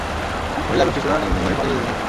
মহিলা এবং শিশুরা নিজ নিজ ঘরে পালিয়ে যেতে থাকে।